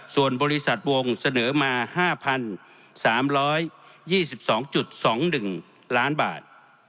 ส่วนบริษัทวงเสนอมา๕๓๒๒๒๑ล้านบาท